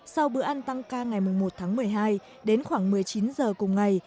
sau bữa ăn tăng ca ngày một tháng một mươi hai đến khoảng một mươi chín giờ cùng ngày